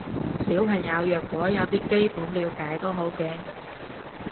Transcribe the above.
小朋友若果有啲基本了解都好嘅